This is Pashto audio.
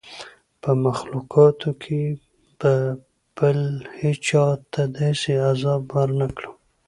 په مخلوقاتو کي به بل هېچا ته داسي عذاب ورنکړم